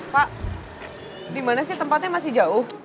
pak dimana sih tempatnya masih jauh